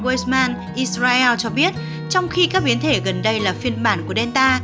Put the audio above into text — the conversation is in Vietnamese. world s man israel cho biết trong khi các biến thể gần đây là phiên bản của delta